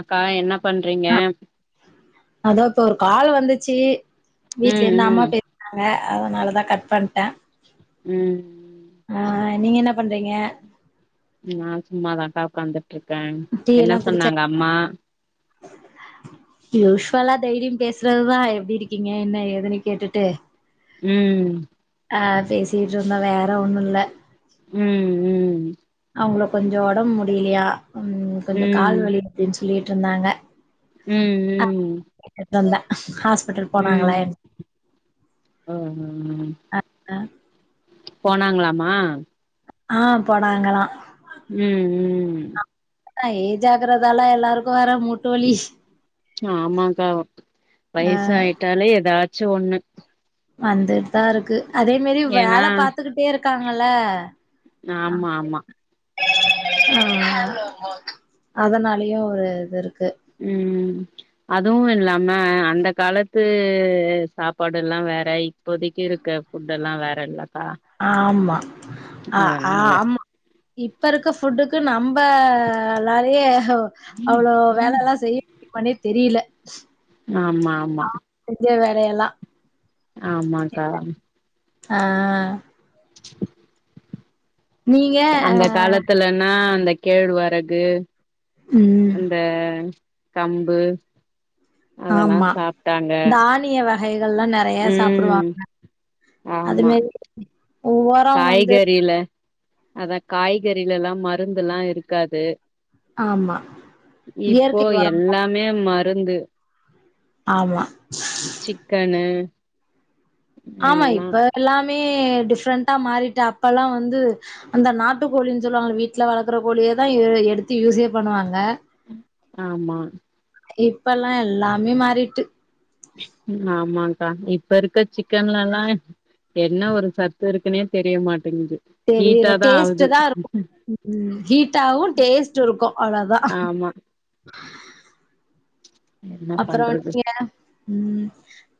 அக்கா என்ன பண்றீங்க அதா இப்ப ஒரு கால் வந்துச்சு வீட்லேந்து அம்மா ம் ம் பே னாங்க அதனாலதா கட் பண்ட்டே ம் ஆ நீங்க என்ன பண்றீங்க நா சும்மாதாக்கா உக்காந்துட்ருக்கே டீ என்ன எல்லா குடிச்சா சொன்னாங்க அம்மா யூஷுவலா தைலியு பேசுறதுதா எப்டி இருக்கீங்க என்ன ஏதுனு கேட்டுட்டு ம் அ பேசிட்ருந்தோ வேற ஒண்ணு இல்ல ம் ம் அவுங்ளுக் கொஞ்சோ ஒடம் முடிலியா ம் கொஞ்ச ம் கால்வலி இருக்குன் சொல்லிட்ருந்தாங்க ம் ம் [inaudible] ஆஸ் பிட்டல் போனாங்களா ம் என் அ அ அ போனாங்களாமா ஆ போனாங்களா ம் ம் அ ஏஜாகிரதால எல்லாருக்கு வர மூட்டு வலி ஆமாக்கா வயசாயிட்டாலே ஏதாச்சு ஒண்ணு வந்துட்டு தா இருக்கு அதே மாரி ஏனா வேல பாத்துக்கிட்டே இருக்காங்கல ஆமா ஆமா ம் அதனாலயு ஒரு இது இருக்கு ம் அதுவும் இல்லாம அந்த காலத்து சாப்பாடுல்லா வேற இப்போதைக்கி இருக்க ஃபுட்டெல்லா வேறல்லக்கா ஆமா அ ஆமா இப்ப இருக்க ஃபுட்டுக்கு நம் நம்ம நெறைய அவ்ளோ வேலல்லா செய்ய முடியுமானே தெரியில ஆமா ஆமா செஞ்ச வேலயெல்லா ஆமாக்கா ஆ நீங்க ஆ அந்த காலத்துலனா அந்த கேழ்வரகு ம் அந்த கம்பு அதெல்லா ஆமா சாப்டாங்க தானிய வகைகள்லா நெறைய ம் சாப்டுவாங்க அது ஆமா மாரி ஒரம் வந்து காய்கறில அதா காய்கறிலல்லா மருந்தெல்லா இருக்காது ஆமா இப்போ இயற்கை ஒரம் எல்லாமே மருந்து ஆமா சிக்கனு ஆமா எல்லா இப்ப எல்லாமே டிஃப்ரெண்டா மாறிட்டு அப்பெல்லா வந்து அந்த நாட்டுக்கோழின் சொல்லுவாங்கள வீட்டுல வளக்குற கோழியேதா எடுத்து யூஸே பண்ணுவாங்க ஆமா இப்பெல்லா எல்லாமே மாறிட்டு ஆமாக்கா இப்ப இருக்க சிக்கன்லலா என்ன ஒரு சத்து இருக்குனே தெரிய மாட்டேங்குது தெரியல ஹீட்டாதா டேஸ்ட்டு ஆவுது தா இருக்கு ஹீட்டாவு டேஸ்ட்டு இருக்கு அவ்ளோதா ஆமா என்ன அப்பறோ பண்றது நீங்க ம்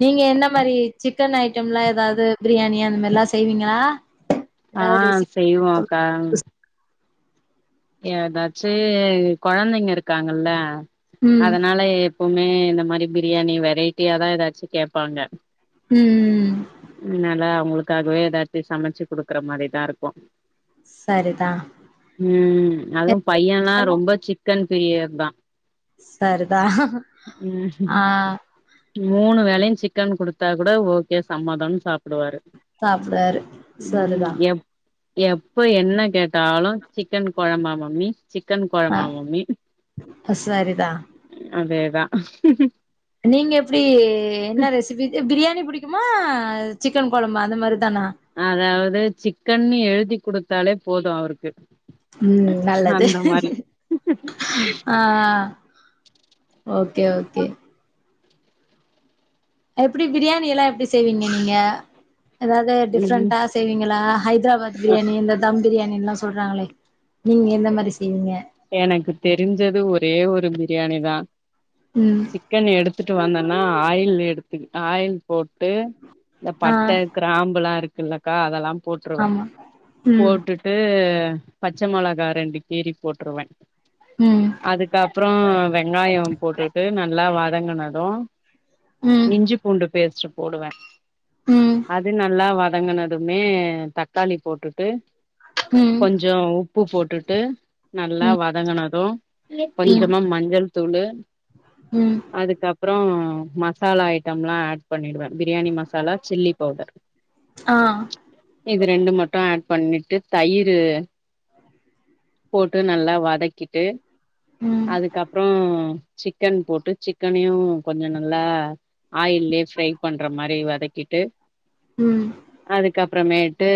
நீங்க என்ன மாரி சிக்கன் ஐட்டம்லாம் ஏதாவது பிரியாணி அந்த மாரில்லா செய்வீங்களா ஆ ஏதாவது ரெசிபி செய்வோக்கா ஏதாச்சு கொழந்தைங்க இருக்காங்கல்ல ம். அதனால எப்பவுமே இந்த மாரி பிரியாணி வெரைட்டியாதா ஏதாச்சு கேப்பாங்க ம் அதனால அவங்களுக்காகவே ஏதாச்சு சமச்சு குடுக்குற மாரி தா இருக்கு செரிதா ம் அதும் பையன்ல்லா ஸ்பெஷலா? ரொம்ப சிக்கன் பிரியர் தா துதா ம் ஆ மூணு வேலையு சிக்கன் குடுத்தா கூட ஓ கே சம்மதம்னு சாப்பிடுவாரு சாப்டுவாரு. ம் சரிதான். எப் எப்ப என்ன கேட்டாலு சிக்கன் கொழம்பா மம்மி சிக்கன் ஆ கொழம்பா மம்மி சரிதா அதே தா நீங்க எப்டி என்ன ரெசிபி பிரியாணி புடி க்குமா சிக்கன் கொழம்பு அந்த மாரி தானா அதாவது சிக்கன்னு எழுதி குடுத்தாலே போது அவருக்கு ம் நல்லது அந்த மாரி ஆ ஆ ஓகே ஓகே எப்டி பிரியாணி எல்லா எப்டி செய்வீங்க நீங்க ஏதாது ம் டிஃப்ரெடா செய்வீங்களா ஹைதராபாத் அ பிரியாணி இந்த தம் பிரியாணின் எல்லா சொல்றாங்களே நீங்க எந்த மாதிரி செய்வீங்க எனக்கு தெரிஞ்சது ஒரே ஒரு பிரியாணி தா ம் சிக்கன் எடுத்துட்டு வந்தோன்னா ஆயில் எடுத்து ஆயில் போட்டு இந்த ஆ பட்டை கிராம்புல்லா இருக்குல்லக்கா அதெல்லா போட்டுருவே ஆமா ம் போட்டுட் ட்டு பச்சை மெளகா ரெண்டு கிரி போட்டுருவே ம் அதுக்கப்புறோ வெங்காயோ போட்டுட்டு நல்லா வதங்கனது ம் இஞ்சி பூண்டு பேஸ்ட் போடுவே ம் அது நல்லா வதங்கன துமே தக்காளி போட்டுட்டு ம் கொஞ்சோ உப்பு போட்டுட்டு நல்லா ம் வதங்கினது ம் கொஞ்சமா மஞ்சள் தூளு ம் அதுக் அதுக்கப்புறோ மசாலா ஐட்டம் எலா ஆட் பண்ணிடுவே பிரியாணி மசாலா சில்லி பவுடர் ஆ இது ரெண்டு மட்டு ஆட் பண்ணி ட்டு தயிரு போட்டு நல்லா வதக்கிட்டு ம் அதுக்கப்புறோ சிக்கன் போட்டு சிக்கனையு கொஞ்சோ நல்லா ஆயில்யே ஃப்ரை பண்ற மாரி வதக்கிட்டு ம் அதுக்கப்பறமேட்டு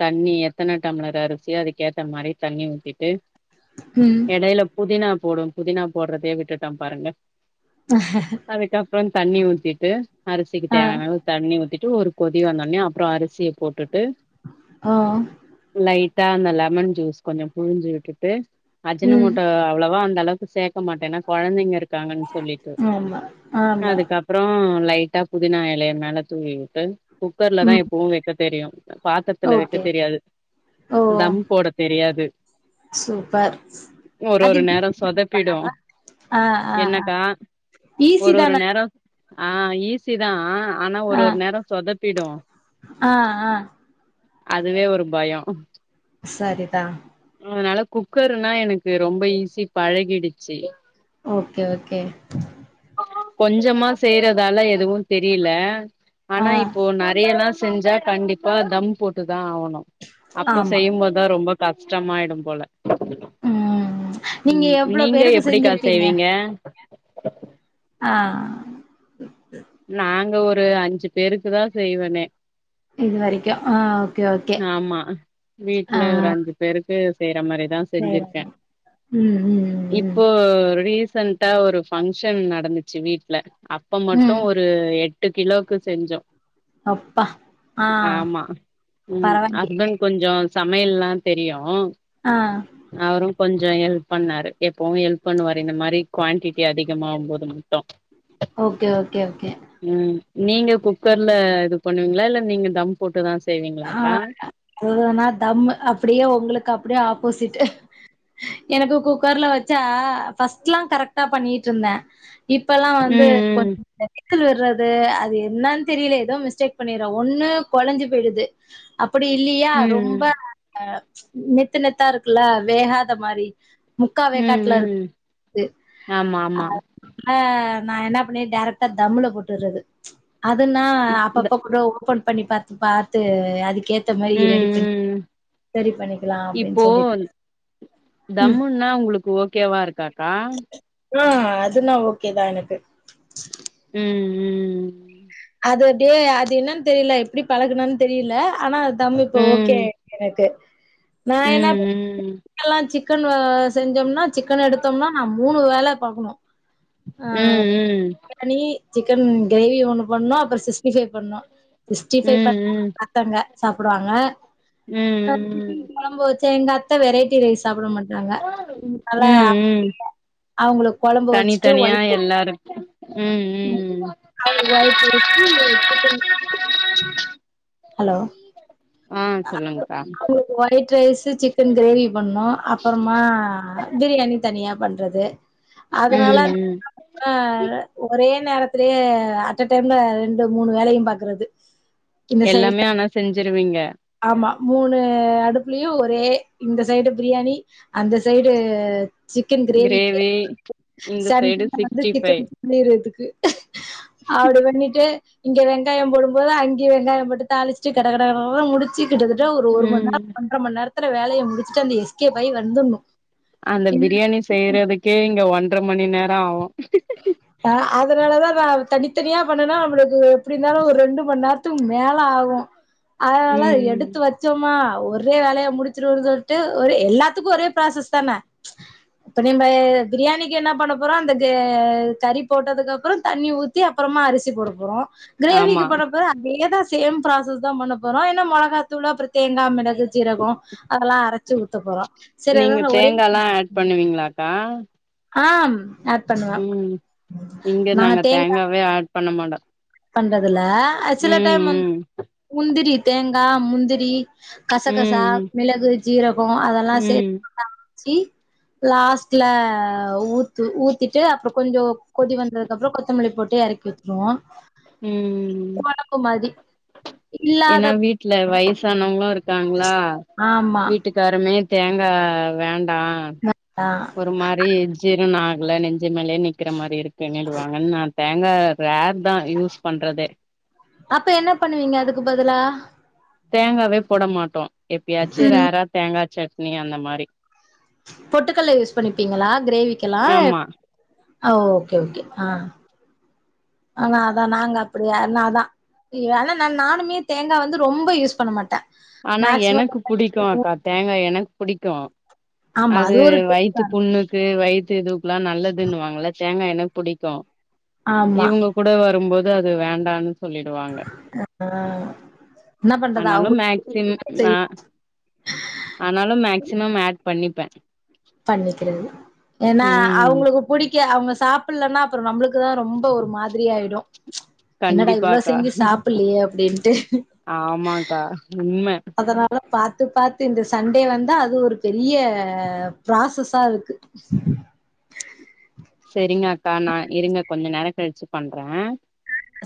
தண்ணிய எத்தனா டாம்லர் அரிசி அதுக்கேத்த மாரி தண்ணி ஊத்திட்டு ம் இடையில புதினா போடும் புதினா போடுறதையே விட்டுட்டா பாருங்க ஆ அதுக்கப்புறோ தண்ணி ஊத்திட்டு அரிசிக்கு ஆ தேவையான அளவு தண்ணி ஊத்திட்டு ஒரு கொதி வந்தடனே அப்புறோ அரிசிய போட்டுட்டு ஆ லைட்டா அந்த லெமன் ஜூஸ் கொஞ்சோ புழிஞ்சு விட்டுட்டு அஜினோ ம் மேட்டோ அவ்ளவா அந்தளவுக்கு சேக்க மாட்டேன்னா குழந்தைங்க இருக் இருக்காங்கன்னு சொல்லிட்டு ஆமா ஆமா அதுக்கப் அப்புறோ லைட்டா புதினா இலைய மேல தூவி விட்டு குக்கர்ல தா ம் எப்பவு வைக்க தெரியு பாத்ரத்துல வைக்க ஓகே தெரியாது ஓ தம் போட தெரியாது சூப்பர் ஒரு அது ஒரு நேரோ [unintelligible] இப்ப சொதப்பிடு ஆ ஆ என்னக்கா ஈசி ஒரு ஒரு தானா நேரோ ஆ ஈசிதா ஆனா ஒரு ஆ ஒரு நேரோ சொதப்பிடு ஆ ஆ அதுவே ஒரு பயோ சரிதா அதனால குக்கர்னா எனக்கு ரொம்ப ஈஸி பழகிடுச்சு ஓகே ஓகே கொஞ்சமா செய்யறதால எதுவு தெரியல ஆ ஆனா இப்போ நெறையல்லா செஞ்சா கண்டிப்பா தம் போட்டு தா ஆகணு அப்ப ஆமா செய்யும்போதுதா ரொம்ப கஷ்டமாயிடு போல ம் நீங்க ம் எவ்ளோ நீங்க பேருக்கு எப்பெடிக்கா செஞ்சிருப்பீங்க செய்வீங்க ஆ நாங்க ஒரு அஞ்சு பேருக்கு தா செய்வேனே இது வரைக்கு ஆ ஓகே ஓகே ஆமா ஆ வீட்ல ஒரு அஞ்சு பேருக்கு செய்யற மாரிதா செஞ்சிருக்கே சேரிங்க ம் ம் ம் ம் இப்போ ரீசன் ட்டா ஒரு பங்க்ஷன் நடந்துச்சு வீட்ல அப்போ மட்டு ம். ஒரு எட்டு கிலோவுக்கு செஞ்சோ அப்பா ஆ ஆமா ம் பரவாயில்லையே ஹஸ்பண்ட் கொஞ்சோ சமையல்லா தெரியு ஆ அவரு கொஞ்சே ஹெல்ப் பண்ணாரு எப்போவு ஹெல்ப் பண்ணுவரு இந்த மாரி குவான்டிட்டி அதிகமாவும்போது மட்டு ஓகே ஓகே ஓகே ம் நீங்க குக்கர்ல இது பண்ணுவீங்களா இல்ல நீங்க தம் போட்டு தா செய்வீங்களாக்கா இல்ல நா தம்மு அப்பிடியே உங்களுக்கு அப்பிடியே ஆப்போசிட்டு எனக்கு குக்கர்ல வச்சா ஃபஸ்ட்லா கரெக்டா பண்ணிட்டுருந்தே இப்பல்லா வந்து ம் கொஞ்சோ விசுல் வர்றது அது என்னான் தெரியல ஏதோ மிஸ்டேக் பண்ணிர்றே ஒன்னு கொலஞ்சு போயிடுது அப்பிடி இல்லையா ரொம்ப ம் நெத்து நெத்தா இருக்குல்ல வேகாத மாரி ம் முக்காவேக்காட்டுலரு ம் [inaudible] ம் க்குது ஆமா ஆமா அத அ அ நா என்ன பண்ணே டேரெக்ட்டா தம்முள போட்டுறது அதனா இந்த அப்பப்ப கூட ஓப்பன் பண்ணி பாத்து பாத்து அதுக்கே த்த மாரி ம் ரெடி பண்ணி ம் [inaudible] ரெடி பண்ணிக்கலா அப்பிடின்னு இப்போ சொல்லிட்டு தம்முன்னா உங்களுக்கு ஓக்கேவாருக்காக்கா ஆ அதுனா ஓகே தா எனக்கு ம் ம் அது டே அது என்னன்னு தெரியல எப்பிடி பழகணன் தெரியில ஆனா அது தம் இப்போ ஓகே ம் எனக்கு நா என்ன [inaudible] ம் சிக்கன் வ அ செஞ்சோம்னா சிக்கன் எடுத்தோம்னா நா மூணு வேல பாக்கணு ஆ ம் ம் பிரயாணி சிக்கன் கிரேவி ஒண்ணு பண்ணோ அப்றோ சிக்ஸ்டி ஃபைவ் பண்ணோ சிக்ஸ்டி ம் ஃபவ் பண்ண ம் [inaudible] பத்தாங்க சாப்டுவாங்க ம் ம் ம் [inaudible] கொழம்ப வச்ச எங்க அத்த வெரைட்டி ரைஸ் சாப்பட மாட்டாங்க அதனால ம் ம் அப்டியே அவங்களுக்கு கொழம்பு தனி வச்சுட்டு தனியா ஒயிட் ரைஸ் எல்லாருக்கு ம் ம் ம் ஹலோ ம் சொல்லுங்கக்கா அவுங்களுக்கு ஒயிட் ரைஸ்சு சிக்கன் கிரேவி பண்ணோ அப்பறமா பிரியாணி தனியா பண்றது ம் அதனால [inaudible] ம் ஆ ஒரே நேரத்திலயே அட்ட டைம்ல ரெண்டு மூணு வேலையு பாக்கறது எல்லாமே ஆனா செஞ்சிருவீங்க ஆமா மூணு அடுப்புலேயு ஒரே இந்த சைட்டு பிரியாணி அந்த சைட்டு சிக்கன் கிரேவிக்கே கிரேவி [inaudible] இந்த சைடு சண்ட [inaudible] வந்து சிக்ஸ்டி சிக்கன் ஃபைவ் பண்ணிறதுக்கு அப்டி பண்ணிட்டு இங்க வெங்காயோ போடும் போது அங்கே வெங்காயம் போட்டு தாளிச்சி கட கட கடன்னு முடிச் ச்சி கிட்டத்தட்ட ஒரு ஒரு மணி ம் நேரோ ஒன்ற மணி நேரத்துல வேலைய முடிச்சுட்டு அந்த எஸ்கே பாயி வந்துர்ணு அந்த பிரியாணி செய்யறதுக்கே இங்க ஒன்றர மணி நேரோ ஆவு ஆ அதனால தா நா தனித்தனியா பண்ணேனா நம்மளுக்கு எப்பிடி இருந்தாலு ஒரு ரெண்டு மணி நேரத்துக்கு மேலே ஆகு அதனாலதா ம் எடுத்து வச் சசோமா ஒரே வேலய முடிச்சிரவோன்னு சொல்ட்டு ஒரே எல்லாத்துக்கு ஒரே ப்ராசஸ் தான இப்ப நீம்ப பிரியாணிக்கு என்ன பண்ண போறோ அந்த கே ஆ கறி போட்டதுக்கு அப்றோ தண்ணி ஊத்தி அப்றோம அரிசி போட போறோம் கிரேவிக்கு ஆமா பண்ணப்ப அதேதா சேம் ப்ராசஸ்தா பண்ண போறோ என்ன மொளகாத்தூளு அப்பற தேங்கா மெளகு சீரகம் அதல்லா அரச்சி ஊத்த போறோ செரி அதல்லா நா ஒரே கா ஆம் ம் இங்க நாங்க தேங்காவே ஆட் பண்ண மாட்டோ பண்றதுல சில டைம் முந் ம் ம் முந்திரி தேங்கா முந்திரி கசகசா ம் மிளகு ஜீரகம் அதல்லா சேத் ம் நல்லா அரச்சி லாஸ்ட்ல ஊத்து ஊத்திட்டு கொஞ்ச கொதி வந்ததுக்கப்பறோ கொத்தமல்லி போட்டு எறக்கி னுவோ ம் கொழம்பு மாறி ஏன்னா வீட்ல வயசானங்களும் இருக்காங்களா ஆமா வீட்டுக் காரமே தேங்கா வேண்டா ஆ ஒரு மாறி ஜீரான ஆகல நெஞ்சி மேலே நிக்கற மாறி இருக்குன்ன வாங்க நா தேங்கா ரேர் தா யூஸ் பண்றதே அப்ப என்ன பண்ணுவீங்க அதுக்கு பதிலா தேங்காவே போட மாட்டோம் எப்பயாச்சி ரேரா தேங்கா சட்னி அந்த மாறி பொட்டுக்கல்ல யூஸ் பண்ணிருப்பிங்களா கிரேவிக்கெல்லாம் ஆமா ஓகே ஓகே ஆ ஆமா அதா நாங்க அப்டியா நாதா ஏனா நா நானுமே தேங்கா வந்து ரெம்பா யூஸ் பண்ண மாட்டே ஆனா மேக்சிமம் எனக்கு புடிக்கும் அக்கா தேங்கா எனக்கு புடிக்கும் ஆமா அது ஒரு டேஸ்ட் வயித்து தா புண்ணு க்கு வயித்து இதுவுக்கில்ல நல்லதுன்னுவாங்கள தோங்கா எனக்கு புடிக்கும் ஆமா இவங்க கூட வரும்மோது அது வேண்டா சொல்லிடுவாங்க ஆ என்ன பண்றது அனால மேக் ம் அவங்களுக்கு ஆ தெரியு ஆனாலும் மேக்சிமம் ஆட் பண்ணிப்பே பண்ணிக்கிறது ஏனா ம் அவங்களுக்கு புடிக்க அவங்க சாப் பல்லன்ன அப்பறோ நம்பளுக்கு தா ரெம்ப ஒரு மாதிரி ஆயிடு என்னடா இவ்ளோ கண்டிப்பாக்கா செஞ்சி சாப்பலயே அப்டின்ட்டு ஆ கா உண்ம அதனால பாத்து பாத்து இந்த சண்டே வந்தா அது ஒரு பெரிய ப்ராசஸா இருக்கு செரிங்க அக்கா நா இருங்க கொஞ்ச நேரம் கழிச்சி பண்றே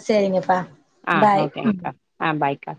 சரிங்கப்பா ஆ பாய் ஒகே அக்கா ஆ பாய்க்கா